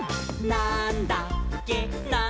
なんだっけ？！」